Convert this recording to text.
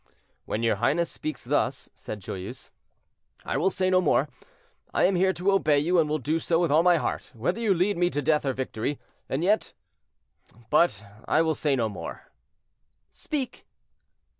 "When your highness speaks thus," said Joyeuse, "I will say no more. I am here to obey you, and will do so with all my heart, whether you lead me to death or victory; and yet—but I will say no more."—"Speak."